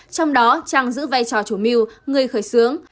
trong đó trang giữ vai trò chủ mưu người khởi xướng